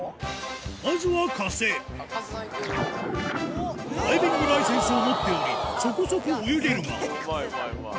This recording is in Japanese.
まずはダイビングライセンスを持っておりそこそこ泳げるがうまいうまい。